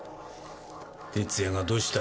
哲弥がどうした？